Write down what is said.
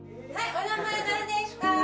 お名前何でしゅか？